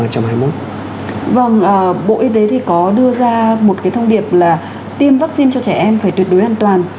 vâng bộ y tế thì có đưa ra một cái thông điệp là tiêm vaccine cho trẻ em phải tuyệt đối an toàn